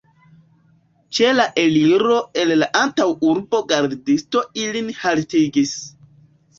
Ĉe la eliro el la antaŭurbo gardisto ilin haltigis.